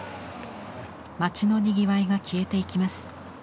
町のにぎわいが消えていきます。